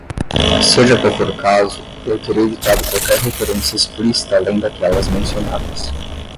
Seja qual for o caso, eu teria evitado qualquer referência explícita além daquelas mencionadas.